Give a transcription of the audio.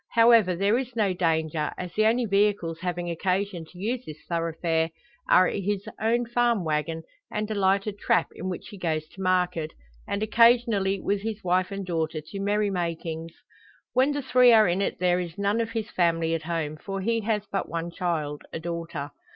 However, there is no danger; as the only vehicles having occasion to use this thoroughfare are his own farm waggon and a lighter `trap' in which he goes to market, and occasionally with his wife and daughter to merry makings. When the three are in it there is none of his family at home. For he has but one child a daughter.